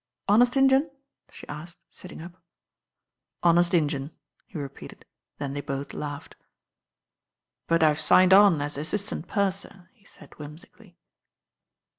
"Honest Injun?" she asked, sitting up. "Honest Injun," he repeated, then they both laughed. "But I've signcd on as assistant purser," he said whimsically.